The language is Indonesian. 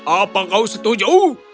apa kau setuju